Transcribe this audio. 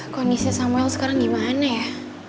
kondisi samuel sekarang gimana ya